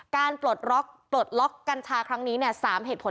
การปลดล็อกกกัญชาครั้งนี้เนี่ยสามเหตุผล